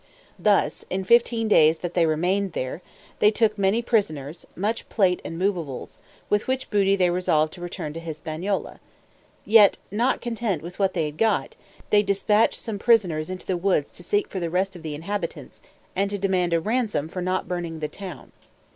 Thus, in fifteen days that they remained there, they took many prisoners, much plate and movables, with which booty they resolved to return to Hispaniola: yet, not content with what they had got, they dispatched some prisoners into the woods to seek for the rest of the inhabitants, and to demand a ransom for not burning the town.